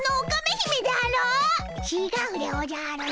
ちがうでおじゃる！